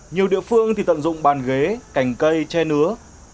nhiều địa phương thì tận dụng bàn ghế cành cây che nứa